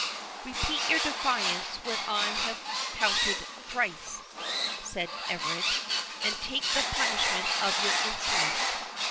"Repeat your defiance when I have counted thrice," said Everard, "and take the punishment of your insolence.